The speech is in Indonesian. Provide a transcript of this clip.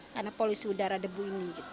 karena polusi udara debu ini